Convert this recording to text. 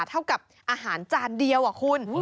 เท่ากับอาหารจานเดียวอะคุณ